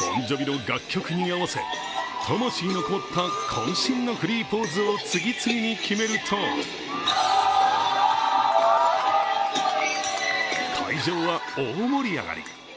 ボン・ジョヴィの楽曲に合わせ、魂のこもったこん身のフリーポーズを次々に決めると会場は大盛り上がり。